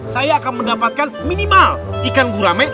saya akan mendapatkan minimal ikan gurame